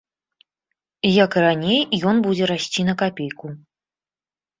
Як і раней, ён будзе расці на капейку.